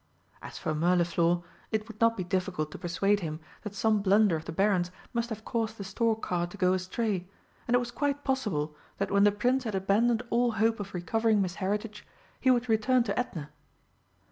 As for Mirliflor, it would not be difficult to persuade him that some blunder of the Baron's must have caused the stork car to go astray, and it was quite possible that when the Prince had abandoned all hope of recovering Miss Heritage he would return to Edna.